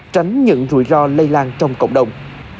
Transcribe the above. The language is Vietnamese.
tránh những rủi ro lây lan trong cộng đồng